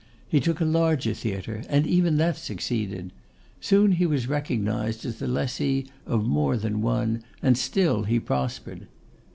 He took a larger theatre, and even that succeeded. Soon he was recognised as the lessee of more than one, and still he prospered.